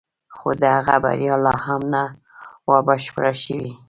خو د هغه بریا لا هم نه وه بشپړه شوې